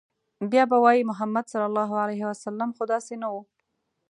بيا به وايي، محمد ص خو داسې نه و